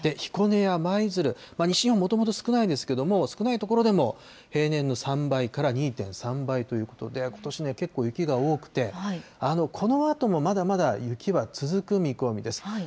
彦根や舞鶴、西日本、もともと少ないですけれども、少ない所でも平年の３倍から２．３倍ということで、ことし、結構雪が多くて、このあともまだまだ雪は続く見込みです。